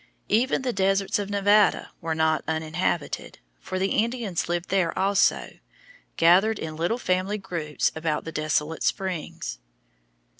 Even the deserts of Nevada were not uninhabited, for the Indians lived there also, gathered in little family groups about the desolate springs.